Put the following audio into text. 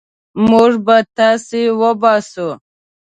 موږ به تاسي وباسو.